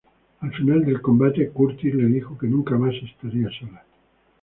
Al final del combate, Curtis le dijo que nunca más estaría sola.